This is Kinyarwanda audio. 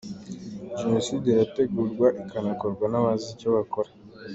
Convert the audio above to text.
Jenoside irategurwa, ikanakorwa n’abazi icyo bakora.